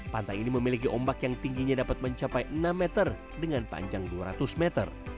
pantai ini memiliki ombak yang tingginya dapat mencapai enam meter dengan panjang dua ratus meter